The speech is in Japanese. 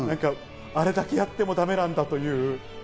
あれだけやってもだめなんだという。